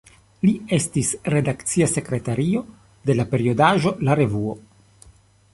Li estis redakcia sekretario de la periodaĵo "La Revuo".